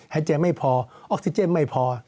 หายใจไม่พอออกซิเจนไม่พอ